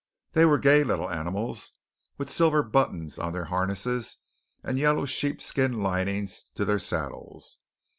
They were gay little animals, with silver buttons on their harness, and yellow sheepskin linings to their saddles.